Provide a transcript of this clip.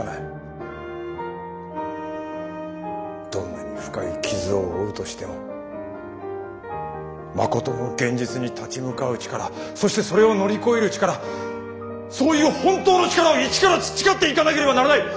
どんなに深い傷を負うとしてもまことの現実に立ち向かう力そしてそれを乗り越える力そういう本当の力を一から培っていかなければならない。